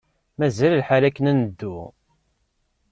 Mazal lḥal akken ad neddu.